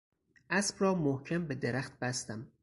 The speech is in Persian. اسب را محکم به درخت بستم.